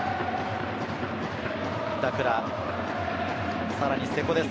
板倉、さらに瀬古です。